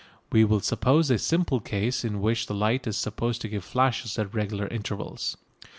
We will suppose a simple case in which the light is supposed to give flashes at regular intervals.